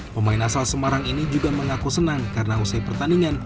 pemain asal semarang ini juga mengaku senang karena usai pertandingan